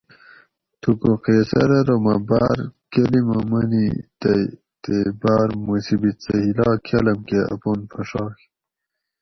تھوکو قیصر ارو مہ باۤر کلمہ منی تئ تے باۤر مصیبت سہ ھِلا کالام کہ اپان پھڛاگ